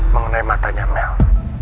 mengenai matanya mel